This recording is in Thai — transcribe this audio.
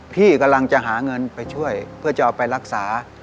พี่กำลังจะหาเงินไปช่วยเพื่อจะเอาไปรักษา